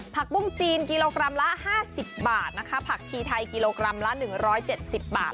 ปุ้งจีนกิโลกรัมละ๕๐บาทนะคะผักชีไทยกิโลกรัมละ๑๗๐บาท